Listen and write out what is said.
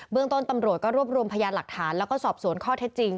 เรื่องต้นตำรวจก็รวบรวมพยานหลักฐานแล้วก็สอบสวนข้อเท็จจริง